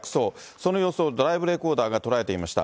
その様子をドライブレコーダーが捉えていました。